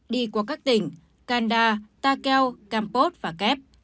đi qua các tỉnh kanda takeo kampot và kép